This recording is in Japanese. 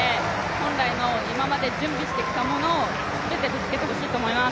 本来の今まで準備してきたものを全てぶつけてきてほしいと思います。